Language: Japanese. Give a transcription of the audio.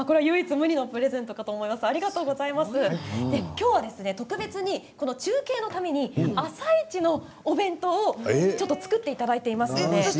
今日は特別に中継のために「あさイチ」のお弁当を作っていただいています。